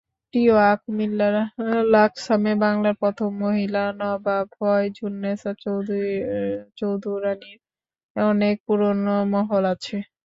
প্রিয় কিআ, কুমিল্লার লাকসামে বাংলার প্রথম মহিলা নবাব ফয়জুন্নেসা চৌধুরানীর অনেক পুরোনো মহল আছে।